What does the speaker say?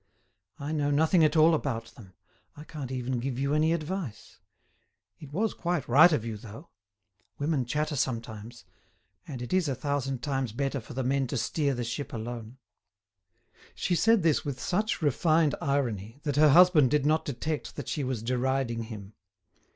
I know nothing at all about them, I can't even give you any advice. It was quite right of you, though; women chatter sometimes, and it is a thousand times better for the men to steer the ship alone." She said this with such refined irony that her husband did not detect that she was deriding him.